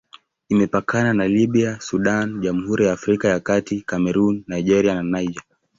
Imepakana na Libya, Sudan, Jamhuri ya Afrika ya Kati, Kamerun, Nigeria na Niger.